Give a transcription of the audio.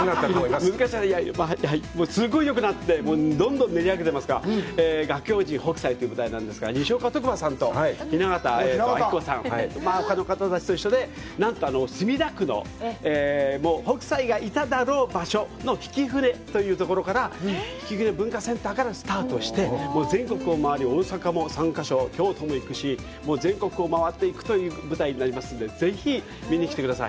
すごいよくなって、どんどん練り上げてますが、「画狂人北斎」という舞台なんですが西岡徳馬さんと雛形あきこさんと一緒に、なんと、墨田区の北斎がいただろう場所のひきふねというところから、文化センターからスタートして、全国を回り、大阪も３か所、京都も行くし、全国を回っていくという舞台になりますんで、ぜひ見に来てください。